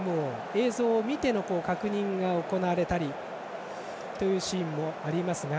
映像を見ての確認が行われたりというシーンもありますが。